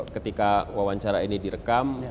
ketika wawancara ini direkam